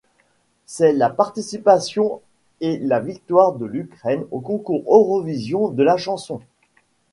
C'est la participation et la victoire de l'Ukraine au Concours Eurovision de la chanson.